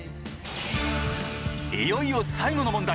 いよいよ最後の問題！